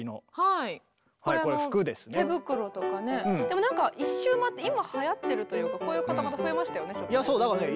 でもなんか一周回って今はやってるというかこういう方々増えましたよね。